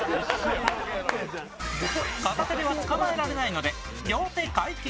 片手では捕まえられないので、両手解禁。